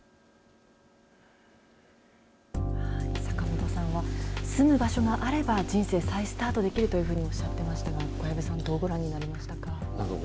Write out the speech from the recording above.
坂本さんは、住む場所があれば、人生再スタートできるというふうにおっしゃってましたが、小籔さん、どうご覧になりましたか。